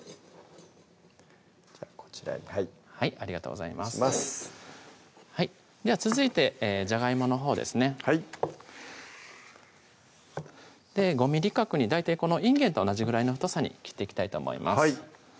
こちらにはいありがとうございますでは続いてじゃがいものほうですね５ｍｍ角に大体このいんげんと同じぐらいの太さに切っていきたいと思います